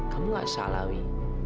kamu nggak salah wi